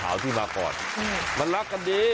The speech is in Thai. ตัวนี้มันจะออกไม่ได้เลย